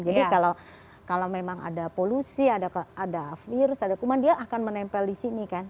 jadi kalau memang ada polusi ada virus ada kuman dia akan menempel di sini kan